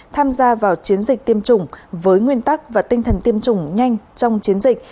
tham gia vào chiến dịch tiêm chủng với nguyên tắc và tinh thần tiêm chủng nhanh trong chiến dịch